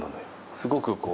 すごくこう。